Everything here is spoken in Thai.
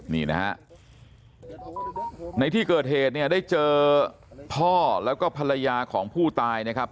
นี่นะฮะในที่เกิดเหตุเนี่ยได้เจอพ่อแล้วก็ภรรยาของผู้ตายนะครับ